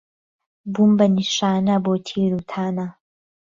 بووم به نیشانه بۆ تیروتانه